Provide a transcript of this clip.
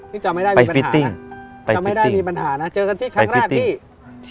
จำไม่ได้มีปัญหาจำไม่ได้มีปัญหานะเจอกันที่ครั้งแรกที่